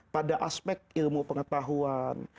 pada aspek ilmu pengetahuan